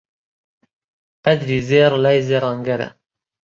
قەدری زێڕ لای زەڕەنگەرە